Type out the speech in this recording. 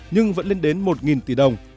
nhưng vẫn lên đến một tỷ đồng